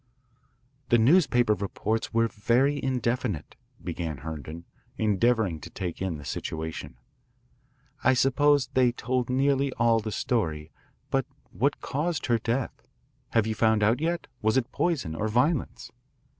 "The newspaper reports were very indefinite," began Herndon, endeavouring to take in the situation. "I suppose they told nearly all the story, but what caused her death? Have you found that out yet? Was it poison or violence?